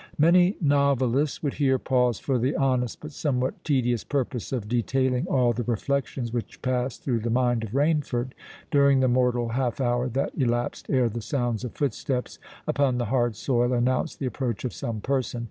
Many novelists would here pause for the honest but somewhat tedious purpose of detailing all the reflections which passed through the mind of Rainford during the mortal half hour that elapsed ere the sounds of footsteps upon the hard soil announced the approach of some person.